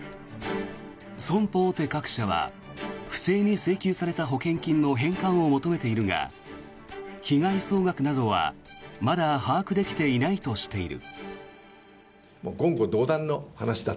損保大手各社は不正に請求された保険金の返還を求めているが被害総額などはまだ把握できていないとしている。